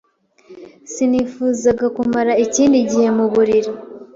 Sinifuzaga kumara ikindi gihe muburiri.